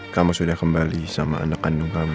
kamu sudah kembali sama anak kandung kami